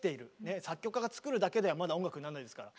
作曲家が作るだけではまだ音楽になんないですから。